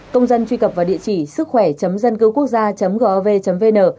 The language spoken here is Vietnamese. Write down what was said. công dân truy cập vào địa chỉ sứckhoẻ dâncưquốcgia gov vn